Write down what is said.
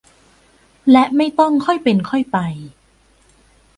และไม่ต้อง "ค่อยเป็นค่อยไป"